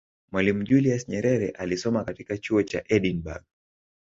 mwalimu julius nyerere alisoma katika chuo cha edinburgh